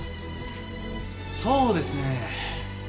そうですねえ。